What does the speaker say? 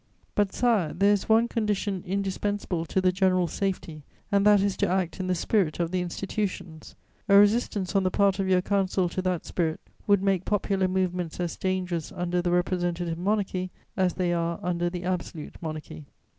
"But, Sire, there is one condition indispensable to the general safety, and that is to act in the spirit of the institutions: a resistance on the part of your Council to that spirit would make popular movements as dangerous under the representatative monarchy as they are under the absolute monarchy.